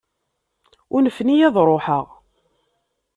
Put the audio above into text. Unfen-iyi ad ruḥeɣ.